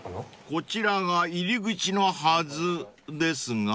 ［こちらが入り口のはずですが］